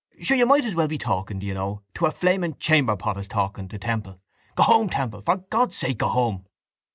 Sure, you might as well be talking, do you know, to a flaming chamberpot as talking to Temple. Go home, Temple. For God's sake, go home.